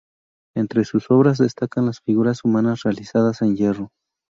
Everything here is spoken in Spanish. Entre sus obras destacan las figuras humanas realizadas en hierro.